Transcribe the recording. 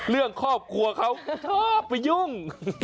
เรื่องครอบครัวเขาชอบไปยุ่ง